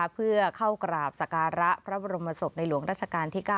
เพื่อเข้ากราบสการะพระบรมศพในหลวงราชการที่๙